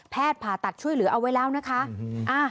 ผ่าตัดช่วยเหลือเอาไว้แล้วนะคะ